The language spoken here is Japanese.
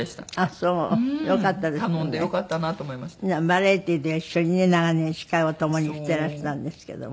バラエティーでは一緒にね長年司会をともにしてらしたんですけども。